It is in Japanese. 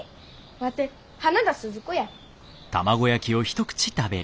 ワテ花田鈴子や。